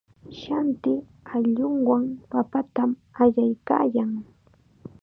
Shanti ayllunwan papatam allaykaayan.